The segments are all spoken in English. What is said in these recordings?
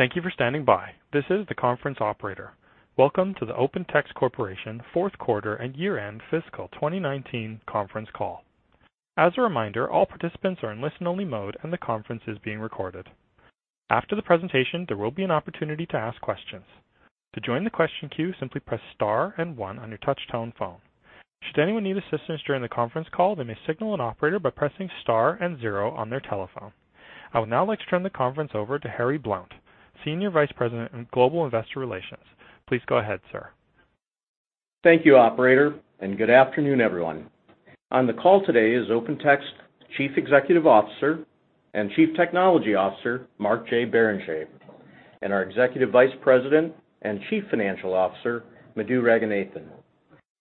Thank you for standing by. This is the conference operator. Welcome to the OpenText Corporation fourth quarter and year-end fiscal 2019 conference call. As a reminder, all participants are in listen-only mode, and the conference is being recorded. After the presentation, there will be an opportunity to ask questions. To join the question queue, simply press star and one on your touch-tone phone. Should anyone need assistance during the conference call, they may signal an operator by pressing star and zero on your telephone. I would now like to turn the conference over to Harry Blount, Senior Vice President in Global Investor Relations. Please go ahead, sir. Thank you, operator, and good afternoon, everyone. On the call today is OpenText Chief Executive Officer and Chief Technology Officer, Mark J. Barrenechea, and our Executive Vice President and Chief Financial Officer, Madhu Raghunathan.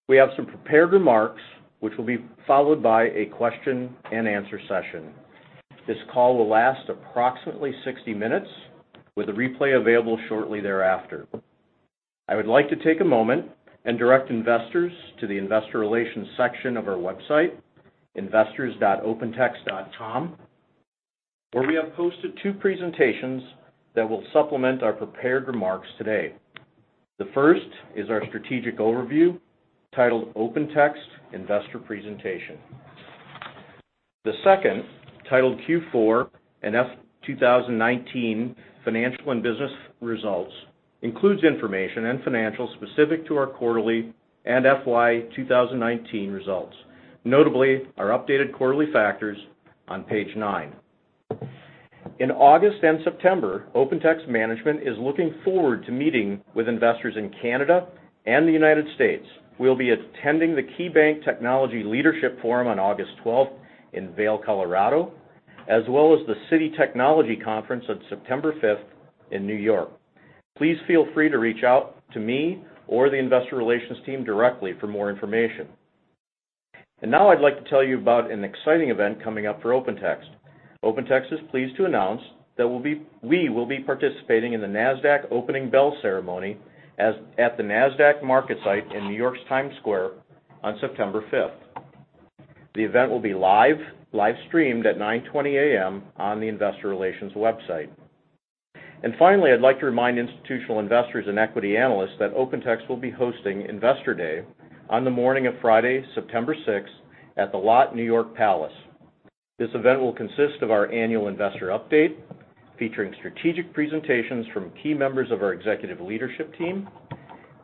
We have some prepared remarks, which will be followed by a question and answer session. This call will last approximately 60 minutes, with a replay available shortly thereafter. I would like to take a moment and direct investors to the investor relations section of our website, investors.opentext.com, where we have posted two presentations that will supplement our prepared remarks today. The first is our strategic overview titled OpenText Investor Presentation. The second, titled Q4 and FY 2019 Financial and Business Results, includes information and financials specific to our quarterly and FY 2019 results, notably our updated quarterly factors on page nine. In August and September, Open Text management is looking forward to meeting with investors in Canada and the United States. We'll be attending the KeyBanc Technology Leadership Forum on August 12th in Vail, Colorado, as well as the Citi Technology Conference on September 5th in New York. Please feel free to reach out to me or the investor relations team directly for more information. Now I'd like to tell you about an exciting event coming up for Open Text. Open Text is pleased to announce that we will be participating in the Nasdaq opening bell ceremony at the Nasdaq market site in New York's Times Square on September 5th. The event will be live streamed at 9:20 A.M. on the investor relations website. Finally, I'd like to remind institutional investors and equity analysts that Open Text will be hosting Investor Day on the morning of Friday, September 6th at The Lotte New York Palace. This event will consist of our annual investor update, featuring strategic presentations from key members of our executive leadership team.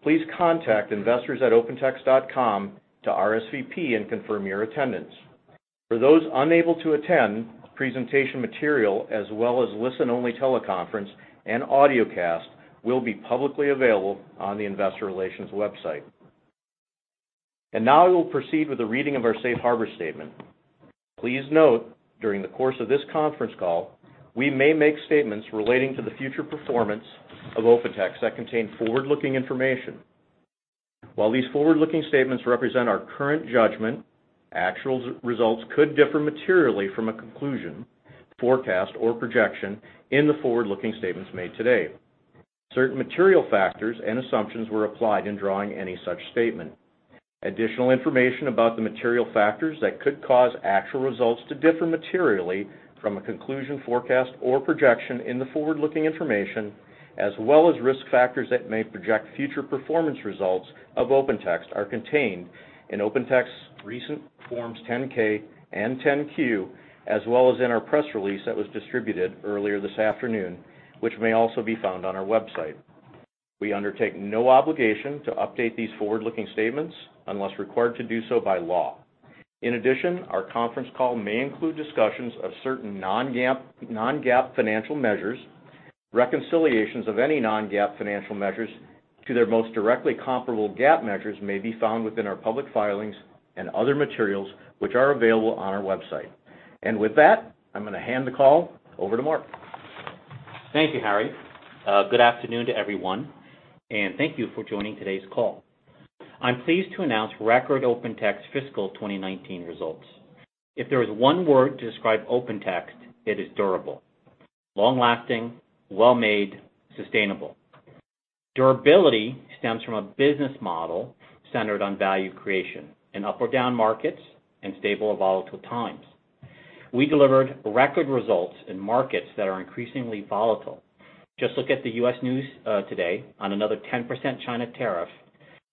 Please contact investors at opentext.com to RSVP and confirm your attendance. For those unable to attend, presentation material as well as listen-only teleconference and audiocast will be publicly available on the investor relations website. Now we will proceed with the reading of our Safe Harbor statement. Please note, during the course of this conference call, we may make statements relating to the future performance of Open Text that contain forward-looking information. While these forward-looking statements represent our current judgment, actual results could differ materially from a conclusion, forecast, or projection in the forward-looking statements made today. Certain material factors and assumptions were applied in drawing any such statement. Additional information about the material factors that could cause actual results to differ materially from a conclusion forecast or projection in the forward-looking information, as well as risk factors that may project future performance results of Open Text are contained in Open Text's recent Forms 10-K and 10-Q, as well as in our press release that was distributed earlier this afternoon, which may also be found on our website. We undertake no obligation to update these forward-looking statements unless required to do so by law. In addition, our conference call may include discussions of certain non-GAAP financial measures. Reconciliations of any non-GAAP financial measures to their most directly comparable GAAP measures may be found within our public filings and other materials, which are available on our website. With that, I'm going to hand the call over to Mark. Thank you, Harry. Good afternoon to everyone, and thank you for joining today's call. I'm pleased to announce record Open Text fiscal 2019 results. If there is one word to describe Open Text, it is durable, long-lasting, well-made, sustainable. Durability stems from a business model centered on value creation in up or down markets and stable or volatile times. We delivered record results in markets that are increasingly volatile. Just look at the U.S. news today on another 10% China tariff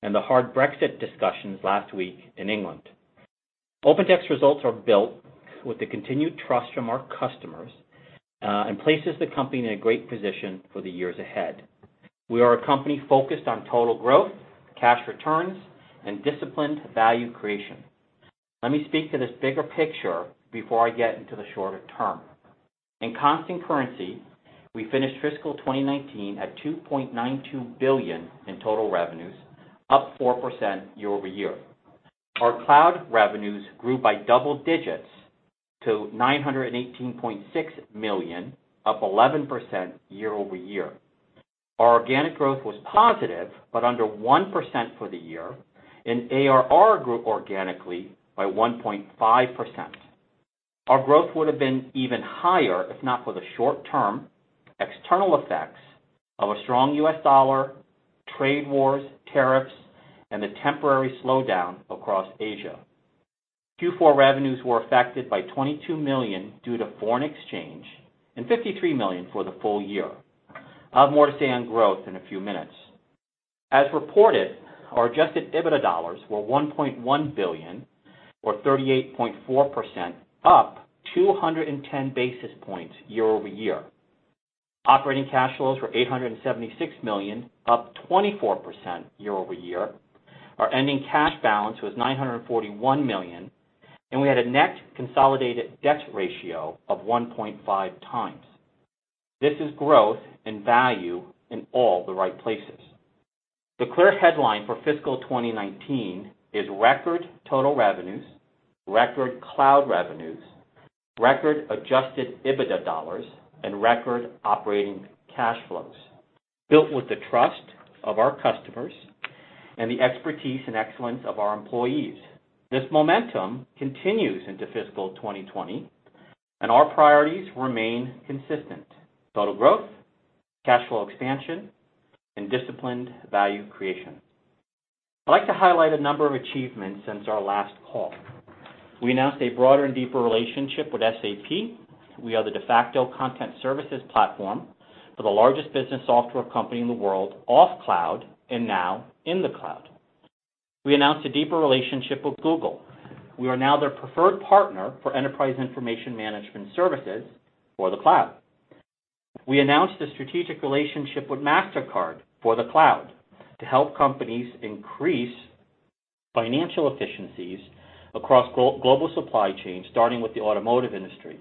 and the hard Brexit discussions last week in England. Open Text results are built with the continued trust from our customers, and places the company in a great position for the years ahead. We are a company focused on total growth, cash returns, and disciplined value creation. Let me speak to this bigger picture before I get into the shorter term. In constant currency, we finished fiscal 2019 at $2.92 billion in total revenues, up 4% year-over-year. Our cloud revenues grew by double digits to $918.6 million, up 11% year-over-year. Our organic growth was positive but under 1% for the year, and ARR grew organically by 1.5%. Our growth would have been even higher if not for the short-term external effects of a strong US dollar, trade wars, tariffs, and the temporary slowdown across Asia Q4. Revenues were affected by $22 million due to foreign exchange and $53 million for the full year. I'll have more to say on growth in a few minutes. As reported, our adjusted EBITDA dollars were $1.1 billion or 38.4% up 210 basis points year-over-year. Operating cash flows were $876 million, up 24% year-over-year. Our ending cash balance was $941 million, and we had a net consolidated debt ratio of 1.5 times. This is growth in value in all the right places. The clear headline for fiscal 2019 is record total revenues, record cloud revenues, record adjusted EBITDA dollars, and record operating cash flows, built with the trust of our customers and the expertise and excellence of our employees. This momentum continues into fiscal 2020, and our priorities remain consistent: total growth, cash flow expansion, and disciplined value creation. I'd like to highlight a number of achievements since our last call. We announced a broader and deeper relationship with SAP. We are the de facto content services platform for the largest business software company in the world, off cloud and now in the cloud. We announced a deeper relationship with Google. We are now their preferred partner for Enterprise Information Management services for the cloud. We announced a strategic relationship with Mastercard for the cloud to help companies increase financial efficiencies across global supply chains, starting with the automotive industry.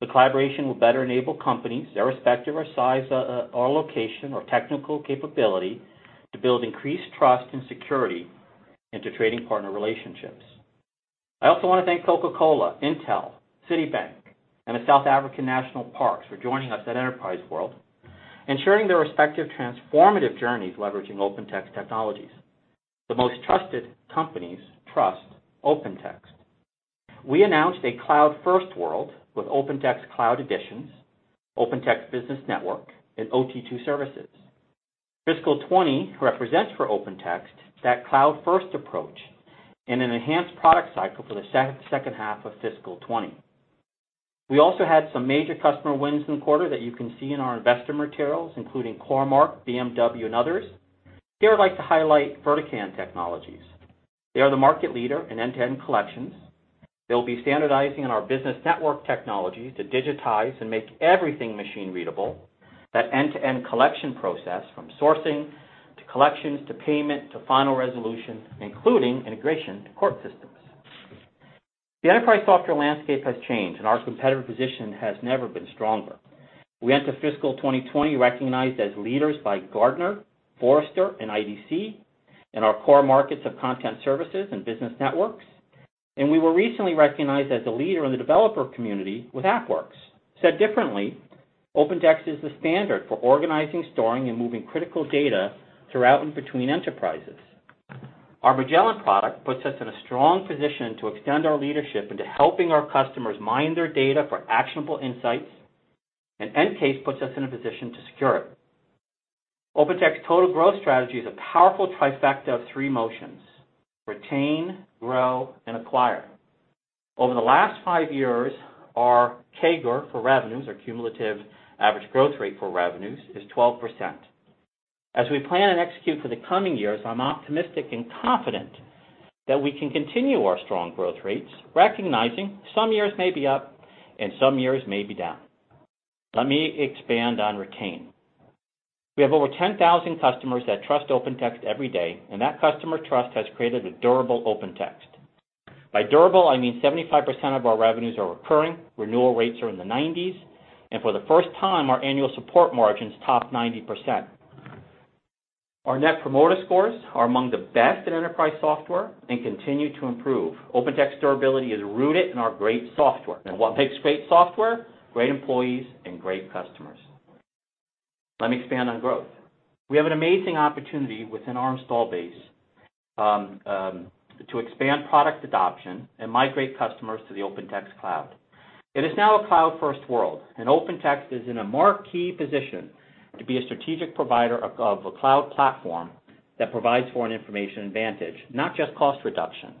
The collaboration will better enable companies, irrespective of size or location or technical capability, to build increased trust and security into trading partner relationships. I also want to thank Coca-Cola, Intel, Citibank, and the South African National Parks for joining us at Enterprise World and sharing their respective transformative journeys leveraging OpenText technologies. The most trusted companies trust OpenText. We announced a cloud-first world with OpenText Cloud Editions, OpenText Business Network, and OT2 Services. Fiscal 2020 represents for OpenText that cloud-first approach and an enhanced product cycle for the second half of fiscal 2020. We also had some major customer wins in the quarter that you can see in our investor materials, including Core-Mark, BMW and others. Here I'd like to highlight Vertican Technologies. They are the market leader in end-to-end collections. They'll be standardizing on our business network technology to digitize and make everything machine readable. That end-to-end collection process from sourcing to collections to payment to final resolution, including integration to court systems. The enterprise software landscape has changed, and our competitive position has never been stronger. We enter fiscal 2020 recognized as leaders by Gartner, Forrester, and IDC in our core markets of content services and business networks. We were recently recognized as a leader in the developer community with AppWorks. Said differently, OpenText is the standard for organizing, storing, and moving critical data throughout and between enterprises. Our Magellan product puts us in a strong position to extend our leadership into helping our customers mine their data for actionable insights, and EnCase puts us in a position to secure it. OpenText's total growth strategy is a powerful trifecta of three motions: retain, grow, and acquire. Over the last five years, our CAGR for revenues, our cumulative average growth rate for revenues, is 12%. As we plan and execute for the coming years, I'm optimistic and confident that we can continue our strong growth rates, recognizing some years may be up and some years may be down. Let me expand on retain. We have over 10,000 customers that trust OpenText every day, that customer trust has created a durable OpenText. By durable, I mean 75% of our revenues are recurring. Renewal rates are in the 90s, and for the first time, our annual support margins top 90%. Our Net Promoter Scores are among the best in enterprise software and continue to improve. OpenText durability is rooted in our great software. What makes great software? Great employees and great customers. Let me expand on growth. We have an amazing opportunity within our install base to expand product adoption and migrate customers to the OpenText Cloud. It is now a cloud-first world, and OpenText is in a marquee position to be a strategic provider of a cloud platform that provides for an information advantage, not just cost reduction.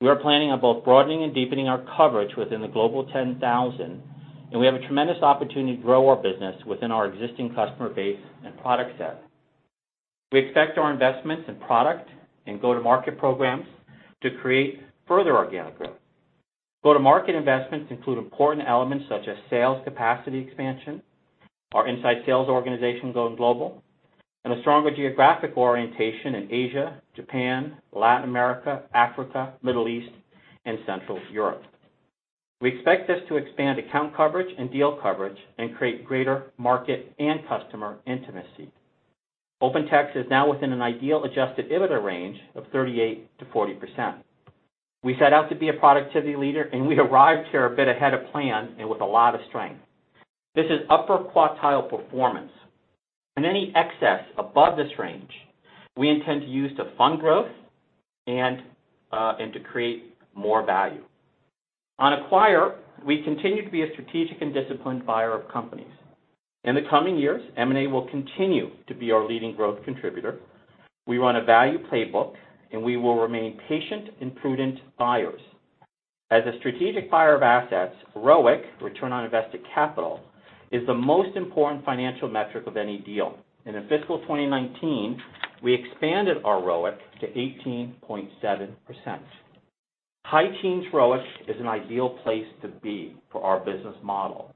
We are planning on both broadening and deepening our coverage within the Global 10,000, and we have a tremendous opportunity to grow our business within our existing customer base and product set. We expect our investments in product and go-to-market programs to create further organic growth. Go-to-market investments include important elements such as sales capacity expansion, our inside sales organization going global, and a stronger geographic orientation in Asia, Japan, Latin America, Africa, Middle East, and Central Europe. We expect this to expand account coverage and deal coverage and create greater market and customer intimacy. OpenText is now within an ideal adjusted EBITDA range of 38%-40%. We set out to be a productivity leader, and we arrived here a bit ahead of plan and with a lot of strength. This is upper quartile performance. Any excess above this range, we intend to use to fund growth and to create more value. On acquire, we continue to be a strategic and disciplined buyer of companies. In the coming years, M&A will continue to be our leading growth contributor. We run a value playbook. We will remain patient and prudent buyers. As a strategic buyer of assets, ROIC, return on invested capital, is the most important financial metric of any deal. In fiscal 2019, we expanded our ROIC to 18.7%. High teens ROIC is an ideal place to be for our business model.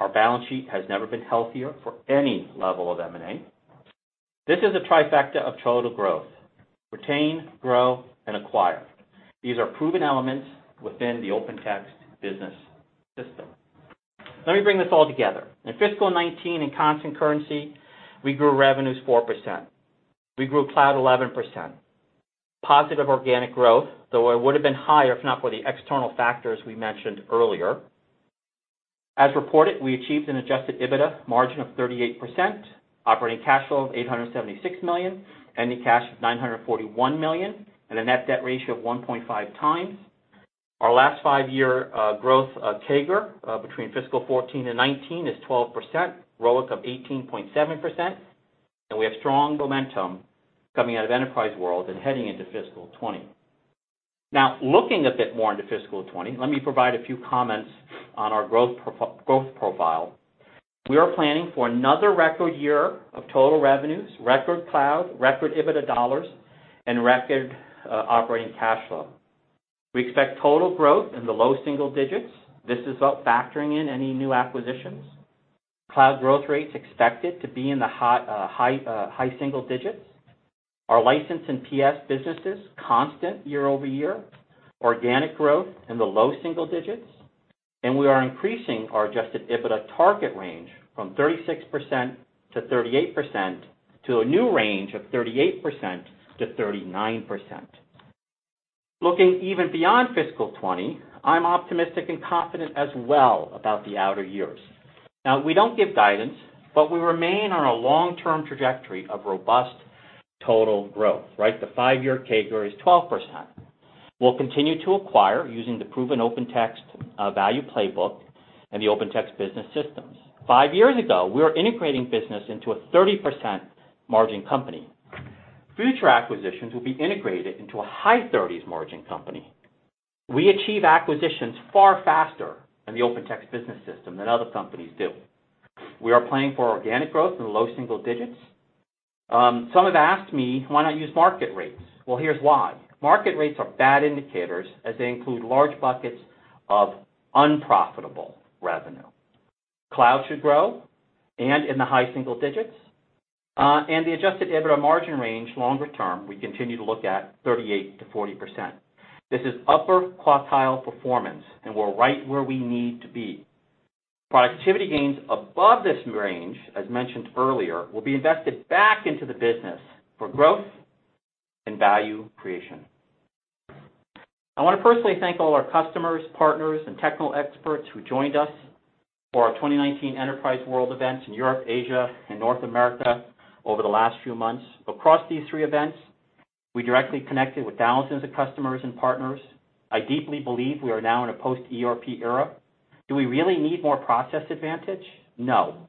Our balance sheet has never been healthier for any level of M&A. This is a trifecta of total growth, retain, grow, and acquire. These are proven elements within the OpenText business system. Let me bring this all together. In fiscal 2019, in constant currency, we grew revenues 4%. We grew cloud 11%. Positive organic growth, though it would've been higher if not for the external factors we mentioned earlier. As reported, we achieved an adjusted EBITDA margin of 38%, operating cash flow of $876 million, ending cash of $941 million, and a net debt ratio of 1.5 times. Our last five-year growth CAGR between fiscal 2014 and 2019 is 12%, ROIC of 18.7%, and we have strong momentum coming out of Enterprise World and heading into fiscal 2020. Now, looking a bit more into fiscal 2020, let me provide a few comments on our growth profile. We are planning for another record year of total revenues, record cloud, record EBITDA dollars, and record operating cash flow. We expect total growth in the low single digits. This is without factoring in any new acquisitions. Cloud growth rate's expected to be in the high single digits. Our license and PS businesses, constant year-over-year. Organic growth in the low single digits. We are increasing our adjusted EBITDA target range from 36%-38% to a new range of 38%-39%. Looking even beyond fiscal 2020, I'm optimistic and confident as well about the outer years. We don't give guidance, but we remain on a long-term trajectory of robust total growth, right? The five-year CAGR is 12%. We'll continue to acquire using the proven OpenText value playbook and the OpenText business systems. Five years ago, we were integrating business into a 30% margin company. Future acquisitions will be integrated into a high 30s margin company. We achieve acquisitions far faster in the OpenText business system than other companies do. We are planning for organic growth in low single digits. Some have asked me, "Why not use market rates?" Here's why. Market rates are bad indicators as they include large buckets of unprofitable revenue. Cloud should grow in the high single digits. The adjusted EBITDA margin range longer term, we continue to look at 38%-40%. This is upper quartile performance, and we're right where we need to be. Productivity gains above this range, as mentioned earlier, will be invested back into the business for growth and value creation. I want to personally thank all our customers, partners, and technical experts who joined us for our 2019 Enterprise World events in Europe, Asia, and North America over the last few months. Across these three events, we directly connected with thousands of customers and partners. I deeply believe we are now in a post-ERP era. Do we really need more process advantage? No.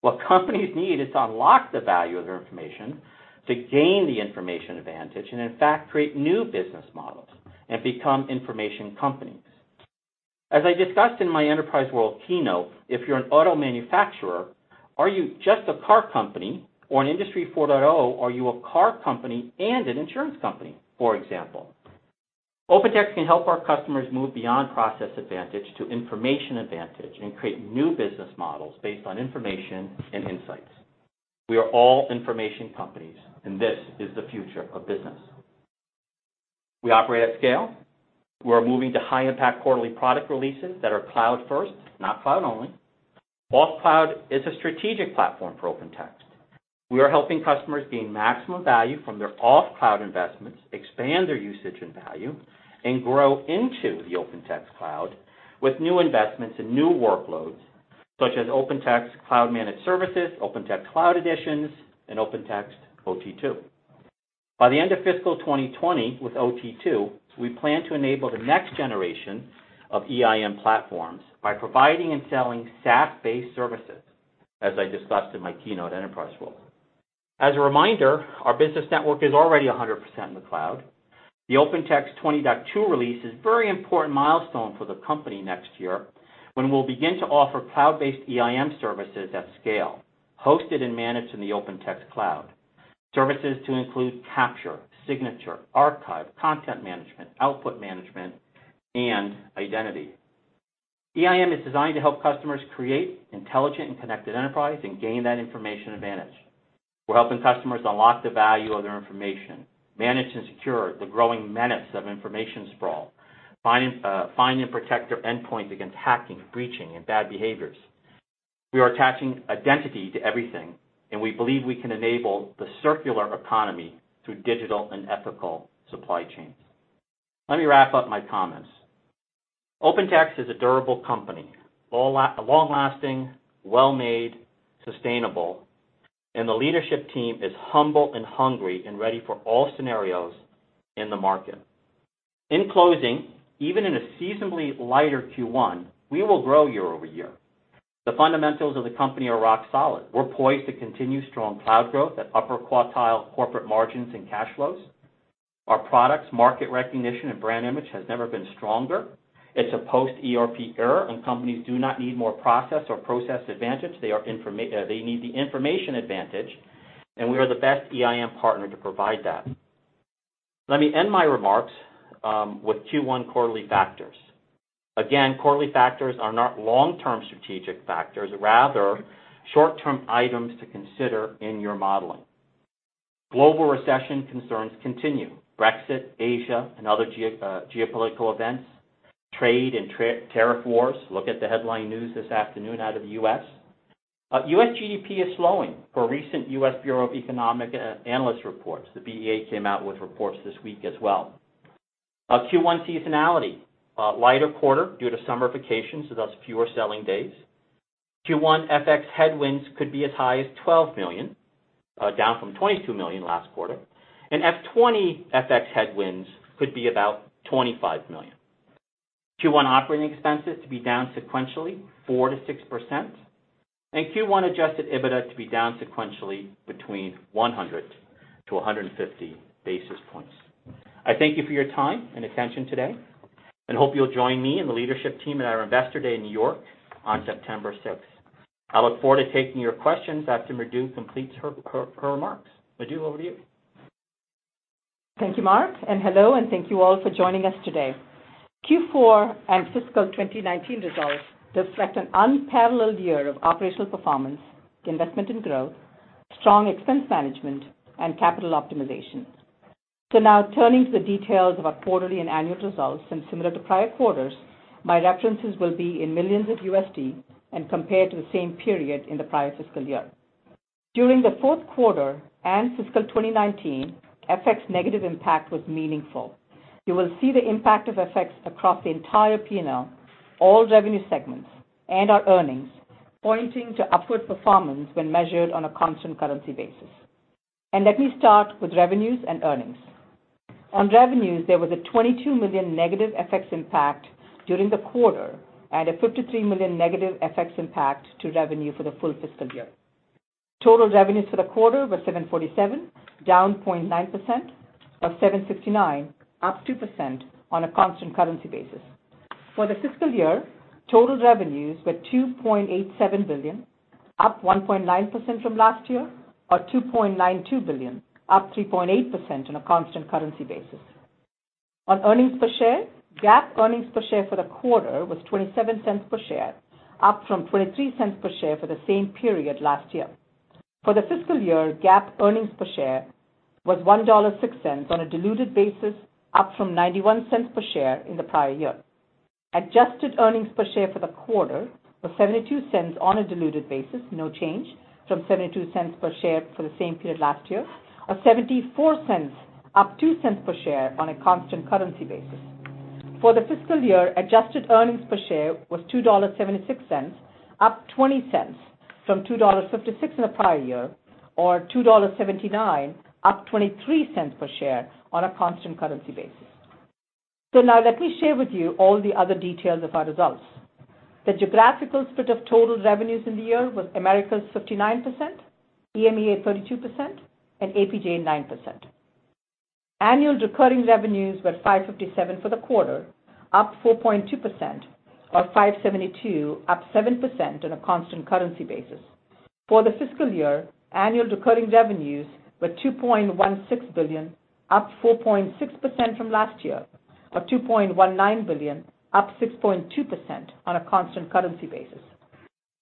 What companies need is to unlock the value of their information to gain the information advantage, and in fact, create new business models and become information companies. As I discussed in my Enterprise World keynote, if you're an auto manufacturer, are you just a car company? In Industry 4.0, are you a car company and an insurance company, for example? OpenText can help our customers move beyond process advantage to information advantage and create new business models based on information and insights. We are all information companies, and this is the future of business. We operate at scale. We're moving to high-impact quarterly product releases that are cloud-first, not cloud only. Off-cloud is a strategic platform for OpenText. We are helping customers gain maximum value from their off-cloud investments, expand their usage and value, and grow into the OpenText cloud with new investments and new workloads, such as OpenText Cloud Managed Services, OpenText Cloud Editions, and OpenText OT2. By the end of fiscal 2020, with OT2, we plan to enable the next generation of EIM platforms by providing and selling SaaS-based services, as I discussed in my keynote at Enterprise World. As a reminder, our business network is already 100% in the cloud. The OpenText 20.2 release is a very important milestone for the company next year when we'll begin to offer cloud-based EIM services at scale, hosted and managed in the OpenText cloud. Services to include capture, signature, archive, content management, output management, and identity. EIM is designed to help customers create intelligent and connected enterprise and gain that information advantage. We're helping customers unlock the value of their information, manage and secure the growing menace of information sprawl, find and protect their endpoints against hacking, breaching, and bad behaviors. We are attaching identity to everything, and we believe we can enable the circular economy through digital and ethical supply chains. Let me wrap up my comments. OpenText is a durable company. Long-lasting, well-made, sustainable. The leadership team is humble and hungry and ready for all scenarios in the market. In closing, even in a seasonably lighter Q1, we will grow year-over-year. The fundamentals of the company are rock solid. We're poised to continue strong cloud growth at upper quartile corporate margins and cash flows. Our products' market recognition and brand image has never been stronger. It's a post-ERP era, and companies do not need more process or process advantage, they need the information advantage, and we are the best EIM partner to provide that. Let me end my remarks with Q1 quarterly factors. Again, quarterly factors are not long-term strategic factors, rather short-term items to consider in your modeling. Global recession concerns continue. Brexit, Asia, and other geopolitical events, trade and tariff wars. Look at the headline news this afternoon out of the U.S. U.S. GDP is slowing, per recent U.S. Bureau of Economic Analysis reports. The BEA came out with reports this week as well. Q1 seasonality, a lighter quarter due to summer vacations, so thus fewer selling days. Q1 FX headwinds could be as high as $12 million, down from $22 million last quarter, and FY 2020 FX headwinds could be about $25 million. Q1 operating expenses to be down sequentially 4%-6%, and Q1 adjusted EBITDA to be down sequentially between 100-150 basis points. I thank you for your time and attention today and hope you'll join me and the leadership team at our Investor Day in New York on September 6th. I look forward to taking your questions after Madhu completes her remarks. Madhu, over to you. Thank you, Mark, hello, and thank you all for joining us today. Q4 and fiscal 2019 results reflect an unparalleled year of operational performance, investment in growth, strong expense management, and capital optimization. Now turning to the details of our quarterly and annual results, and similar to prior quarters, my references will be in millions of USD and compared to the same period in the prior fiscal year. During the fourth quarter and fiscal 2019, FX negative impact was meaningful. You will see the impact of FX across the entire P&L, all revenue segments, and our earnings, pointing to upward performance when measured on a constant currency basis. Let me start with revenues and earnings. On revenues, there was a $22 million negative FX impact during the quarter and a $53 million negative FX impact to revenue for the full fiscal year. Total revenues for the quarter were $747, down 0.9%, or $769, up 2% on a constant currency basis. For the fiscal year, total revenues were $2.87 billion, up 1.9% from last year, or $2.92 billion, up 3.8% on a constant currency basis. On earnings per share, GAAP earnings per share for the quarter was $0.27 per share, up from $0.23 per share for the same period last year. For the fiscal year, GAAP earnings per share was $1.06 on a diluted basis, up from $0.91 per share in the prior year. Adjusted earnings per share for the quarter were $0.72 on a diluted basis, no change from $0.72 per share for the same period last year. $0.74, up $0.02 per share on a constant currency basis. For the fiscal year, adjusted earnings per share was $2.76, up $0.20 from $2.56 in the prior year, or $2.79, up $0.23 per share on a constant currency basis. Now let me share with you all the other details of our results. The geographical split of total revenues in the year was Americas 59%, EMEA 32%, and APJ 9%. Annual recurring revenues were $557 for the quarter, up 4.2%, or $572, up 7% on a constant currency basis. For the fiscal year, annual recurring revenues were $2.16 billion, up 4.6% from last year, or $2.19 billion, up 6.2% on a constant currency basis.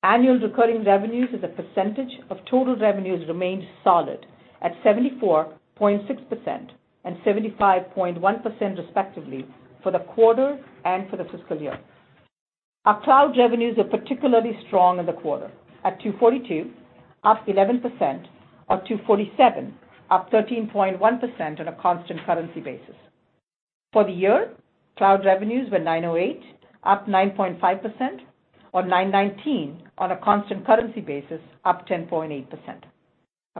Annual recurring revenues as a percentage of total revenues remained solid at 74.6% and 75.1% respectively for the quarter and for the fiscal year. Our cloud revenues are particularly strong in the quarter at $242, up 11%, or $247, up 13.1% on a constant currency basis. For the year, cloud revenues were $908, up 9.5%, or $919 on a constant currency basis, up 10.8%.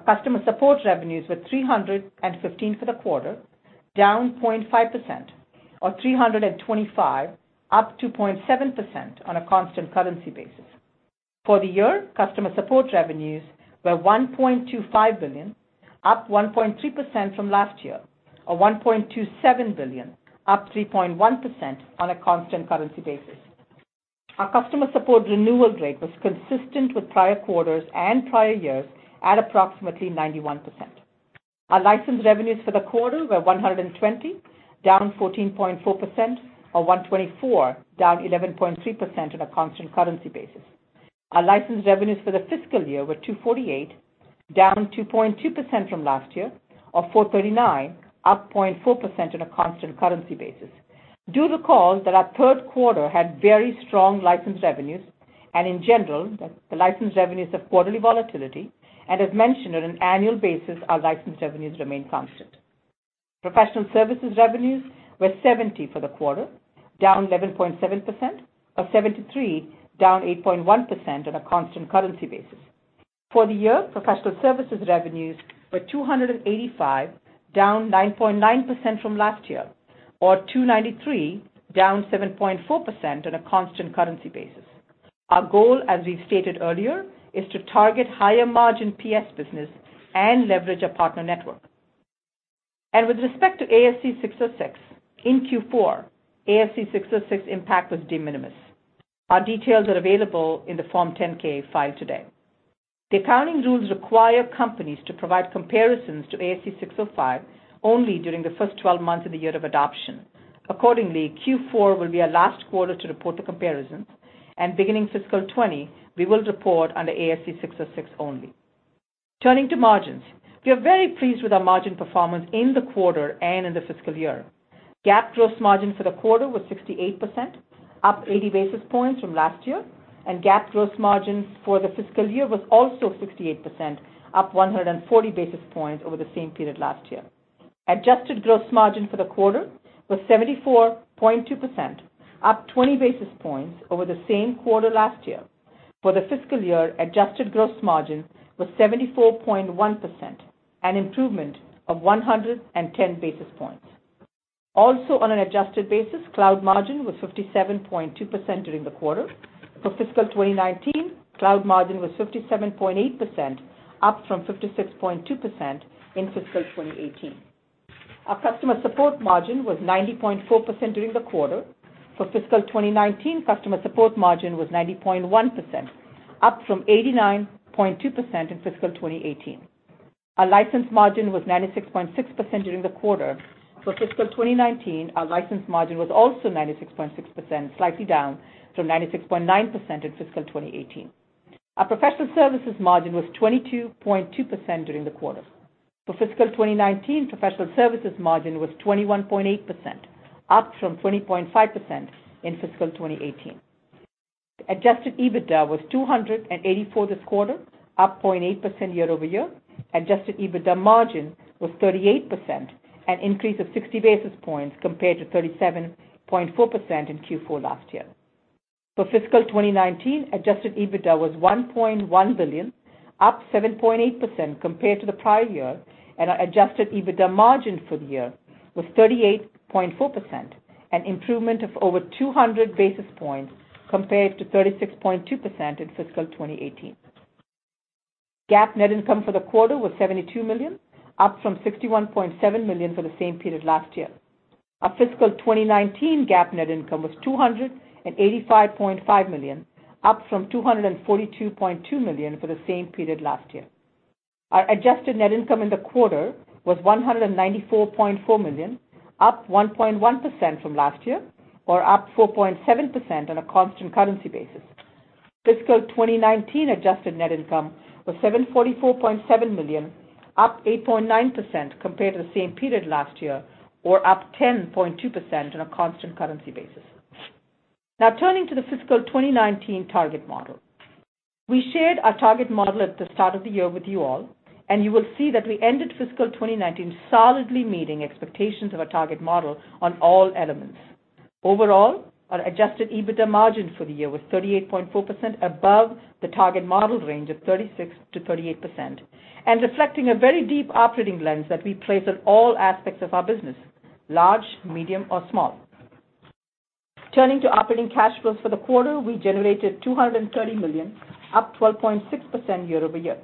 Our customer support revenues were $315 for the quarter, down 0.5%, or $325, up 2.7% on a constant currency basis. For the year, customer support revenues were $1.25 billion, up 1.3% from last year, or $1.27 billion, up 3.1% on a constant currency basis. Our customer support renewal rate was consistent with prior quarters and prior years at approximately 91%. Our license revenues for the quarter were $120, down 14.4%, or $124, down 11.3% on a constant currency basis. Our license revenues for the fiscal year were $248, down 2.2% from last year, or $439, up 0.4% on a constant currency basis. Do recall that our third quarter had very strong license revenues, and in general, the license revenues have quarterly volatility, and as mentioned, on an annual basis, our license revenues remain constant. Professional services revenues were $70 for the quarter, down 11.7%, or $73, down 8.1% on a constant currency basis. For the year, professional services revenues were $285, down 9.9% from last year, or $293, down 7.4% on a constant currency basis. Our goal, as we've stated earlier, is to target higher margin PS business and leverage our partner network. With respect to ASC 606, in Q4, ASC 606 impact was de minimis. Our details are available in the Form 10-K filed today. The accounting rules require companies to provide comparisons to ASC 605 only during the first 12 months of the year of adoption. Accordingly, Q4 will be our last quarter to report the comparisons, and beginning fiscal 2020, we will report under ASC 606 only. Turning to margins. We are very pleased with our margin performance in the quarter and in the fiscal year. GAAP gross margin for the quarter was 68%, up 80 basis points from last year, and GAAP gross margin for the fiscal year was also 68%, up 140 basis points over the same period last year. Adjusted gross margin for the quarter was 74.2%, up 20 basis points over the same quarter last year. For the fiscal year, adjusted gross margin was 74.1%, an improvement of 110 basis points. Also on an adjusted basis, cloud margin was 57.2% during the quarter. For fiscal 2019, cloud margin was 57.8%, up from 56.2% in fiscal 2018. Our customer support margin was 90.4% during the quarter. For fiscal 2019, customer support margin was 90.1%, up from 89.2% in fiscal 2018. Our license margin was 96.6% during the quarter. For fiscal 2019, our license margin was also 96.6%, slightly down from 96.9% in fiscal 2018. Our professional services margin was 22.2% during the quarter. For fiscal 2019, professional services margin was 21.8%, up from 20.5% in fiscal 2018. Adjusted EBITDA was $284 million this quarter, up 0.8% year-over-year. Adjusted EBITDA margin was 38%, an increase of 60 basis points compared to 37.4% in Q4 last year. For fiscal 2019, adjusted EBITDA was $1.1 billion, up 7.8% compared to the prior year, and our adjusted EBITDA margin for the year was 38.4%, an improvement of over 200 basis points compared to 36.2% in fiscal 2018. GAAP net income for the quarter was $72 million, up from $61.7 million for the same period last year. Our fiscal 2019 GAAP net income was $285.5 million, up from $242.2 million for the same period last year. Our adjusted net income in the quarter was $194.4 million, up 1.1% from last year, or up 4.7% on a constant currency basis. Fiscal 2019 adjusted net income was $744.7 million, up 8.9% compared to the same period last year, or up 10.2% on a constant currency basis. Turning to the fiscal 2019 target model. We shared our target model at the start of the year with you all, you will see that we ended fiscal 2019 solidly meeting expectations of our target model on all elements. Overall, our adjusted EBITDA margin for the year was 38.4%, above the target model range of 36%-38%, reflecting a very deep operating lens that we place on all aspects of our business, large, medium, or small. Turning to operating cash flows for the quarter, we generated $230 million, up 12.6% year-over-year.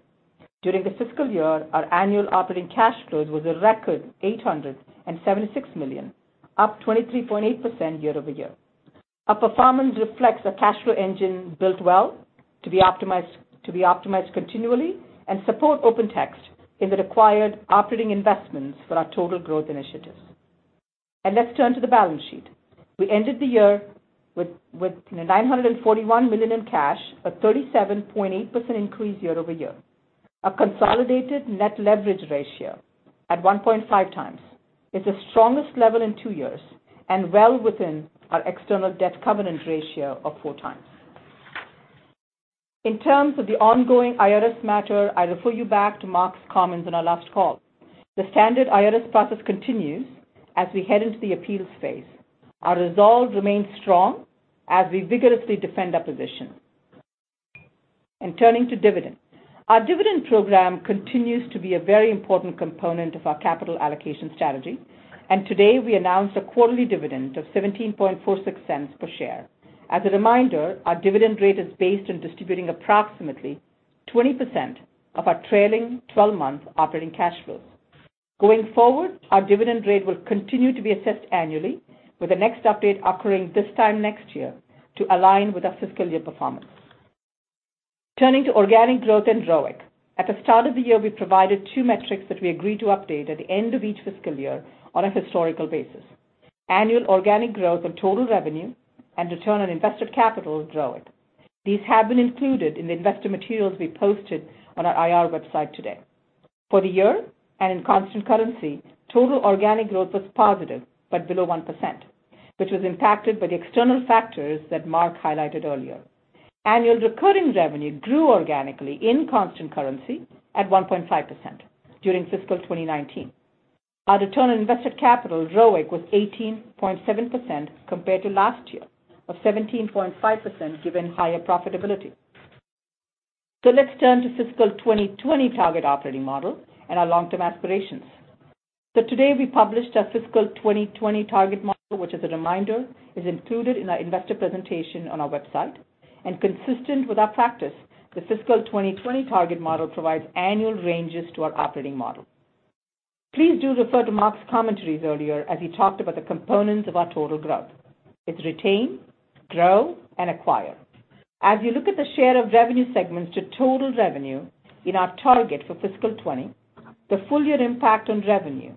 During the fiscal year, our annual operating cash flows was a record $876 million, up 23.8% year-over-year. Our performance reflects a cash flow engine built well to be optimized continually and support OpenText in the required operating investments for our total growth initiatives. Let's turn to the balance sheet. We ended the year with $941 million in cash, a 37.8% increase year-over-year. Our consolidated net leverage ratio at 1.5 times is the strongest level in two years and well within our external debt covenant ratio of four times. In terms of the ongoing IRS matter, I refer you back to Mark's comments on our last call. The standard IRS process continues as we head into the appeals phase. Our resolve remains strong as we vigorously defend our position. Turning to dividend. Our dividend program continues to be a very important component of our capital allocation strategy, and today we announced a quarterly dividend of $0.1746 per share. As a reminder, our dividend rate is based on distributing approximately 20% of our trailing 12-month operating cash flows. Going forward, our dividend rate will continue to be assessed annually, with the next update occurring this time next year to align with our fiscal year performance. Turning to organic growth and ROIC. At the start of the year, we provided two metrics that we agreed to update at the end of each fiscal year on a historical basis. Annual organic growth of total revenue and return on invested capital, ROIC. These have been included in the investor materials we posted on our IR website today. For the year and in constant currency, total organic growth was positive but below 1%, which was impacted by the external factors that Mark highlighted earlier. Annual recurring revenue grew organically in constant currency at 1.5% during fiscal 2019. Our return on invested capital, ROIC, was 18.7% compared to last year of 17.5%, given higher profitability. Let's turn to fiscal 2020 target operating model and our long-term aspirations. Today we published our fiscal 2020 target model, which as a reminder, is included in our investor presentation on our website. Consistent with our practice, the fiscal 2020 target model provides annual ranges to our operating model. Please do refer to Mark's commentaries earlier as he talked about the components of our total growth. It's retain, grow, and acquire. As you look at the share of revenue segments to total revenue in our target for fiscal 2020, the full year impact on revenue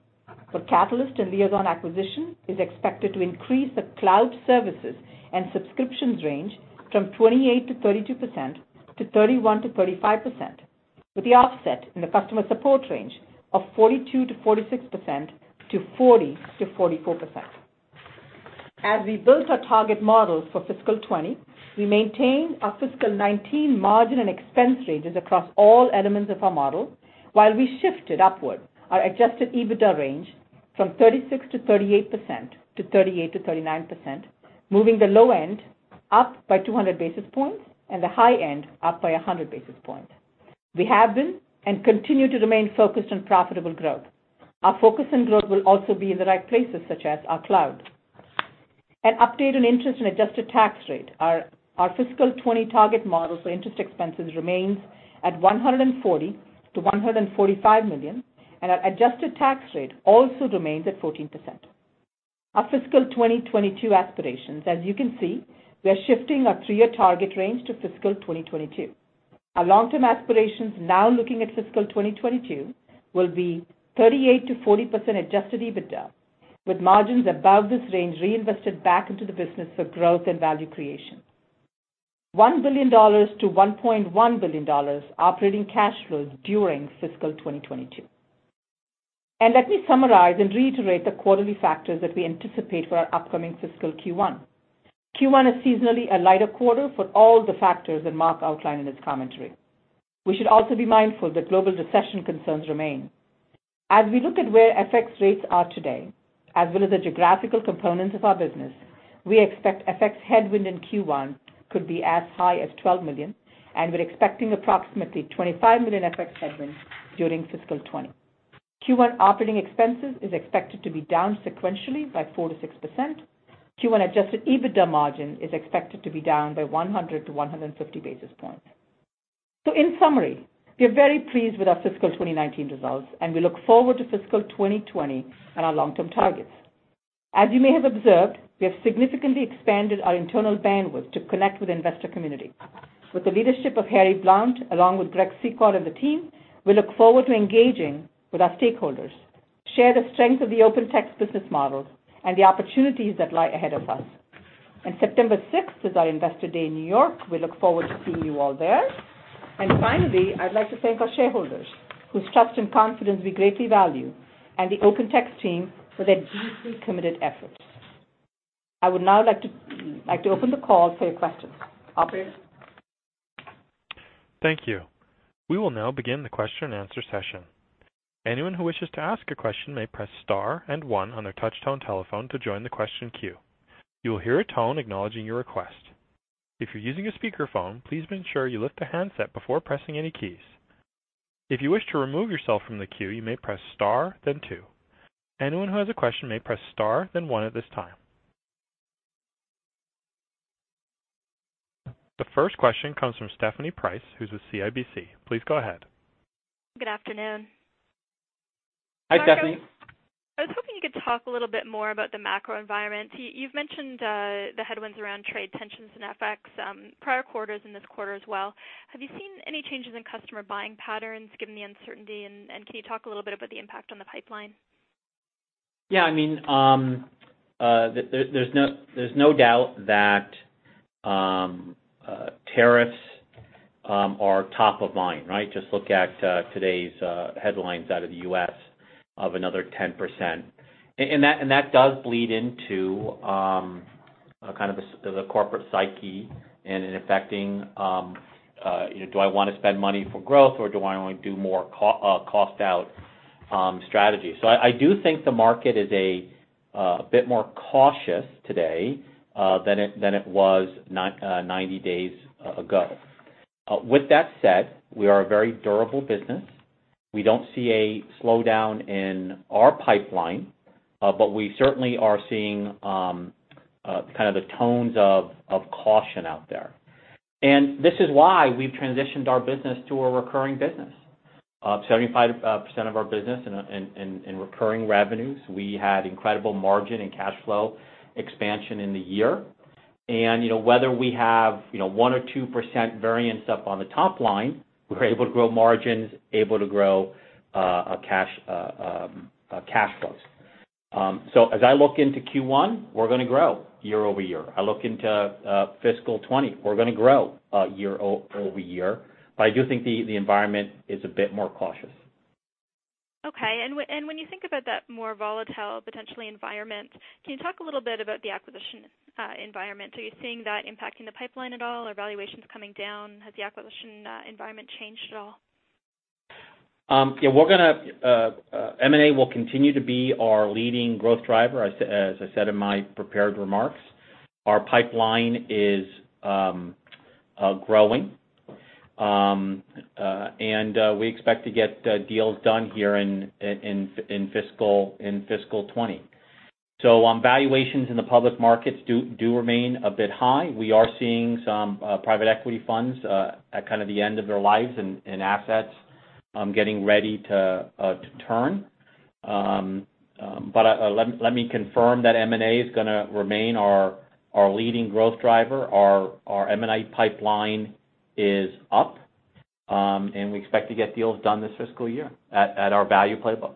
for Catalyst and Liaison acquisition is expected to increase the cloud services and subscriptions range from 28%-32%, to 31%-35%, with the offset in the customer support range of 42%-46%, to 40%-44%. As we built our target models for fiscal 2020, we maintained our fiscal 2019 margin and expense ranges across all elements of our model, while we shifted upward our adjusted EBITDA range from 36%-38%, to 38%-39%, moving the low end up by 200 basis points and the high end up by 100 basis points. We have been, and continue to remain focused on profitable growth. Our focus on growth will also be in the right places, such as our cloud. An update on interest and adjusted tax rate. Our fiscal 2020 target model for interest expenses remains at $140 million-$145 million, and our adjusted tax rate also remains at 14%. Our fiscal 2022 aspirations. As you can see, we are shifting our three-year target range to fiscal 2022. Our long-term aspirations now looking at fiscal 2022 will be 38%-40% adjusted EBITDA, with margins above this range reinvested back into the business for growth and value creation. $1 billion-$1.1 billion operating cash flows during fiscal 2022. Let me summarize and reiterate the quarterly factors that we anticipate for our upcoming fiscal Q1. Q1 is seasonally a lighter quarter for all the factors that Mark outlined in his commentary. We should also be mindful that global recession concerns remain. As we look at where FX rates are today, as well as the geographical components of our business, we expect FX headwind in Q1 could be as high as $12 million. We're expecting approximately $25 million FX headwind during fiscal 2020. Q1 operating expenses is expected to be down sequentially by 4%-6%. Q1 adjusted EBITDA margin is expected to be down by 100-150 basis points. In summary, we are very pleased with our fiscal 2019 results. We look forward to fiscal 2020 and our long-term targets. As you may have observed, we have significantly expanded our internal bandwidth to connect with investor community. With the leadership of Harry Blount, along with Greg Secor and the team, we look forward to engaging with our stakeholders, share the strength of the OpenText business model, and the opportunities that lie ahead of us. On September 6th is our Investor Day in New York. We look forward to seeing you all there. Finally, I'd like to thank our shareholders, whose trust and confidence we greatly value, and the OpenText team for their deeply committed efforts. I would now like to open the call for your questions. Operator? Thank you. We will now begin the question and answer session. Anyone who wishes to ask a question may press star and one on their touchtone telephone to join the question queue. You will hear a tone acknowledging your request. If you are using a speakerphone, please ensure you lift the handset before pressing any keys. If you wish to remove yourself from the queue, you may press star, then two. Anyone who has a question may press star, then one at this time. The first question comes from Stephanie Price, who is with CIBC. Please go ahead. Good afternoon. Hi, Stephanie. I was hoping you could talk a little bit more about the macro environment. You've mentioned the headwinds around trade tensions and FX, prior quarters and this quarter as well. Have you seen any changes in customer buying patterns given the uncertainty, and can you talk a little bit about the impact on the pipeline? Yeah. There's no doubt that tariffs are top of mind, right? Just look at today's headlines out of the U.S. of another 10%. That does bleed into kind of the corporate psyche and in affecting, do I want to spend money for growth or do I want to do more cost out strategies? I do think the market is a bit more cautious today than it was 90 days ago. With that said, we are a very durable business. We don't see a slowdown in our pipeline. We certainly are seeing kind of the tones of caution out there. This is why we've transitioned our business to a recurring business. 75% of our business in recurring revenues. We had incredible margin and cash flow expansion in the year. Whether we have 1% or 2% variance up on the top line, we're able to grow margins, able to grow cash flows. As I look into Q1, we're going to grow year-over-year. I look into fiscal 2020, we're going to grow year-over-year. I do think the environment is a bit more cautious. Okay. When you think about that more volatile, potentially environment, can you talk a little bit about the acquisition environment? Are you seeing that impacting the pipeline at all? Are valuations coming down? Has the acquisition environment changed at all? Yeah. M&A will continue to be our leading growth driver, as I said in my prepared remarks. Our pipeline is growing. We expect to get deals done here in fiscal 2020. Valuations in the public markets do remain a bit high. We are seeing some private equity funds at kind of the end of their lives and assets getting ready to turn. Let me confirm that M&A is going to remain our leading growth driver. Our M&A pipeline is up, and we expect to get deals done this fiscal year at our value playbook.